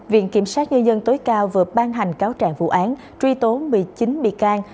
viện kiểm sát nhân dân tối cao vừa ban hành cáo trạng vụ án truy tố một mươi chín bị can